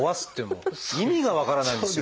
もう意味が分からないんですよ。